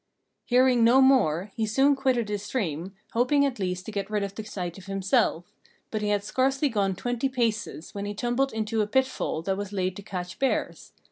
Hearing no more, he soon quitted the stream, hoping at least to get rid of the sight of himself; but he had scarcely gone twenty paces when he tumbled into a pitfall that was laid to catch bears.